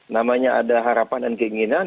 namanya ada harapan dan keinginan